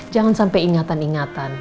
jangan sampai ingatan ingatan